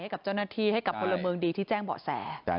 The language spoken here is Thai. ให้กับเจ้าหน้าที่ให้กับพลเมืองดีที่แจ้งเบาะแส